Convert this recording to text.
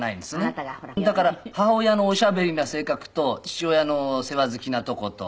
だから母親のおしゃべりな性格と父親の世話好きなとこと。